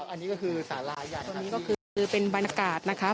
อันนี้ก็คือเป็นบรรกาศนะคะ